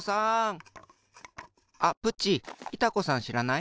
あっプッチいた子さんしらない？